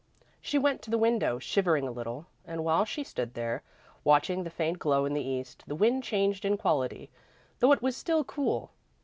She went to the window, shivering a little, and, while she stood there, watching the faint glow in the East, the wind changed in quality, though it was still cool.